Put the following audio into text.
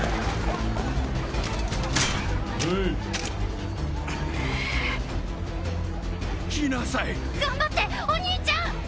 はい来なさい頑張ってお兄ちゃん！